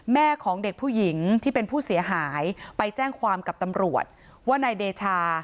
แม่ของเด็กผู้หญิงที่เป็นผู้เสียหายไปแจ้งความกับตำรวจว่านายเดชา